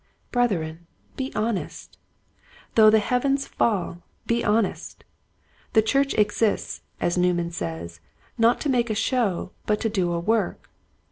Brethren, be honest ! Though the heav ens fall, be honest !" The church exists," as Newman says, *'not to make a show but to do a work."